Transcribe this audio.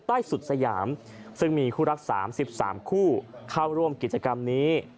สุดสยามซึ่งมีคู่รัก๓๓คู่เข้าร่วมกิจกรรมนี้